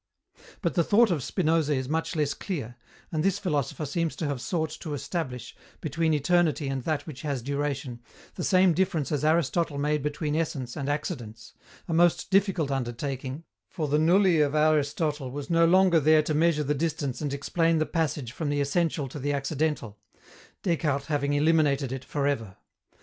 But the thought of Spinoza is much less clear, and this philosopher seems to have sought to establish, between eternity and that which has duration, the same difference as Aristotle made between essence and accidents: a most difficult undertaking, for the [Greek: ylê] of Aristotle was no longer there to measure the distance and explain the passage from the essential to the accidental, Descartes having eliminated it for ever.